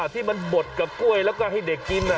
ที่มันบดกับกล้วยแล้วก็ให้เด็กกิน